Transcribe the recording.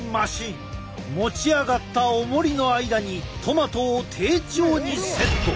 持ち上がったおもりの間にトマトを丁重にセット。